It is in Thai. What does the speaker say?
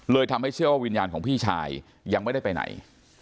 ทำให้เชื่อว่าวิญญาณของพี่ชายยังไม่ได้ไปไหน